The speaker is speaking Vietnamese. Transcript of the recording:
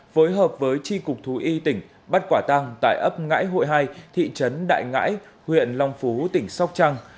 phối hợp với tri cục thú y tỉnh bắt quả tăng tại ấp ngãi hội hai thị trấn đại ngãi huyện long phú tỉnh sóc trăng